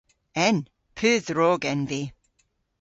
En. Pur dhrog en vy.